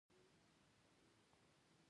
کار حق دی